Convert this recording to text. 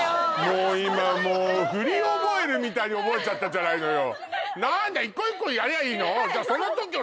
もう今もう振り覚えるみたいに覚えちゃったじゃないのよ